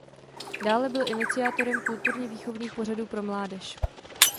Dále byl iniciátorem kulturně výchovných pořadů pro mládež.